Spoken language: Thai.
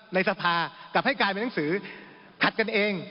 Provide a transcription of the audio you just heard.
ในสภากลับให้กลายเป็นหนังสือขัดกันเอง